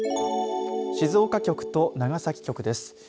静岡局と長崎局です。